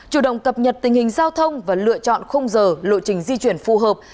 chủ động cập nhật tình hình giao thông và lựa chọn khung giờ lộ trình di chuyển phù hợp